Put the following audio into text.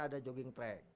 ada jogging track